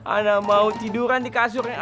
ana mau tiduran di kasurnya